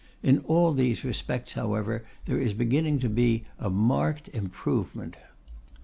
In all these respects, however, there is beginning to be a marked improvement.